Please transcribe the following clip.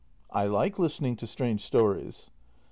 I like listening to strange stories.